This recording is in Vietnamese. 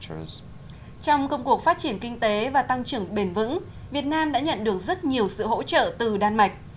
trong công cuộc phát triển kinh tế và tăng trưởng bền vững việt nam đã nhận được rất nhiều sự hỗ trợ từ đan mạch